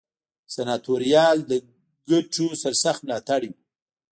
سناتوریال د ګټو سرسخت ملاتړي وو.